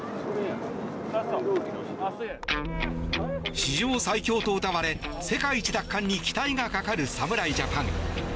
史上最強とうたわれ世界一奪還に期待がかかる侍ジャパン。